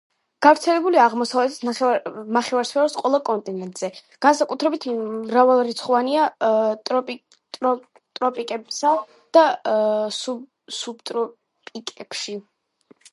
გავრცელებულია აღმოსავლეთ ნახევარსფეროს ყველა კონტინენტზე, განსაკუთრებით მრავალრიცხოვანია ტროპიკებსა და სუბტროპიკებში.